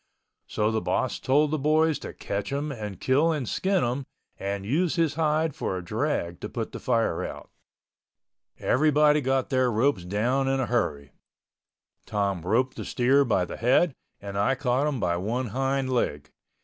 So the boss told the boys to catch him and kill and skin him and use his hide for a drag to put the fire out. Everybody got their ropes down in a hurry. Tom roped the steer by the head and I caught him by one hind leg.